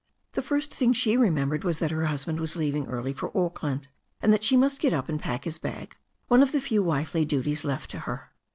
The first thing she remembered was that her husband was leaving early for Auckland, and that she must get up and pack his bag, one of the few wifely duties left to her.